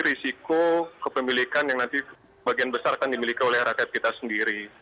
risiko kepemilikan yang nanti bagian besar akan dimiliki oleh rakyat kita sendiri